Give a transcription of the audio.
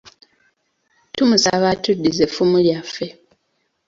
Tumusaba atuddize effumu lyaffe.